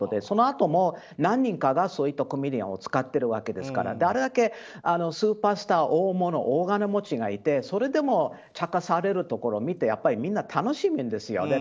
そのあとも何人かがそういったコメディアンを使ってるわけですからあれだけスーパースター大物、大金持ちがいてそれでも茶化されるところを見てみんな楽しんでるんですよ。